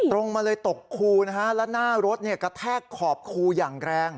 ตรงมาเลยตกคูนะฮะแล้วหน้ารถกระแทกขอบคูอย่างแรง